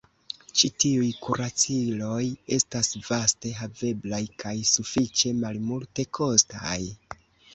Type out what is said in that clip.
Ĉi tiuj kuraciloj estas vaste haveblaj kaj sufiĉe malmultekostaj.